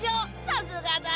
さすがだ！